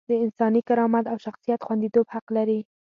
د انساني کرامت او شخصیت خونديتوب حق هم لري.